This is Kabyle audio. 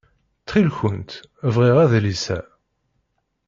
Ttxil-kent bɣiɣ adlis-a.